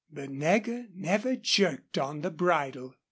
But Nagger never jerked on the bridle.